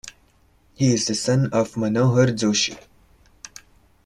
He is the son of Manohar Joshi.